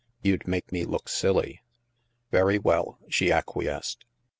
" You'd make me look silly." " Very well," she acquiesced.